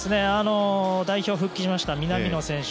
代表復帰しました南野選手。